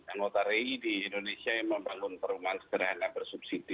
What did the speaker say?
anggota ri di indonesia yang membangun perumahan sederhana bersubsidi